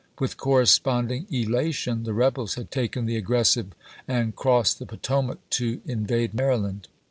With corresponding elation the rebels had taken the ag gressive and crossed the Potomac to invade Mary land.